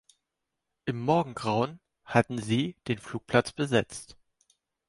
Im Morgengrauen hatten sie den Flugplatz besetzt.